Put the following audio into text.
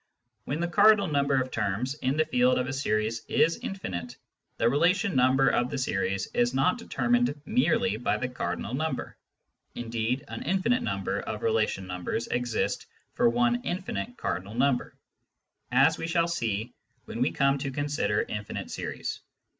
When the cardinal number of terms in the field of a series is infinite, the relation number of the series is not determined merely by the cardinal number, indeed an infinite number of relation numbers exist for one infinite cardinal number, as we shall see when we come to consider infinite series.